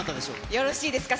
よろしいですか？